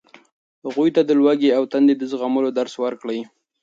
هغوی ته د لوږې او تندې د زغملو درس ورکړئ.